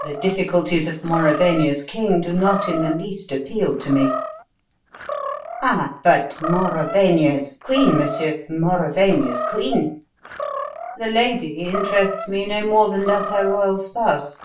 The difficulties of Mauravania's king do not in the least appeal to me." "Ah, but Mauravania's queen, monsieur Mauravania's queen." "The lady interests me no more than does her royal spouse."